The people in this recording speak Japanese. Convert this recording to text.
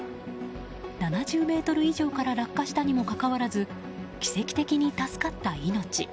７０ｍ以上から落下したにもかかわらず奇跡的に助かった命。